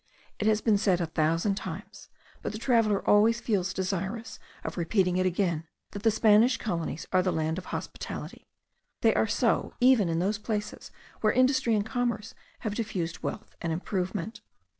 It has been said a thousand times, but the traveller always feels desirous of repeating it again, that the Spanish colonies are the land of hospitality; they are so even in those places where industry and commerce have diffused wealth and improvement.